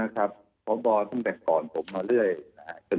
สนุนโดยน้ำดื่มสิง